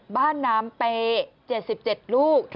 บ้านน้ำเป๗๗ลูก